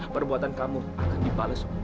perbuatan kamu akan dibalas